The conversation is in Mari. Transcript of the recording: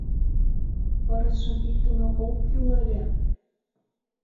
Пырысшым пиктыме ок кӱл ыле!..